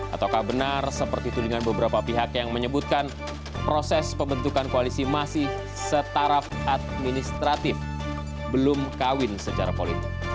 ataukah benar seperti tudingan beberapa pihak yang menyebutkan proses pembentukan koalisi masih setaraf administratif belum kawin secara politik